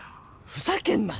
ふざけんな！